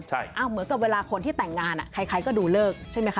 เหมือนกับเวลาคนที่แต่งงานใครก็ดูเลิกใช่ไหมคะ